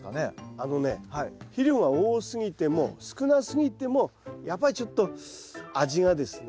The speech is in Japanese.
あのね肥料が多すぎても少なすぎてもやっぱりちょっと味がですね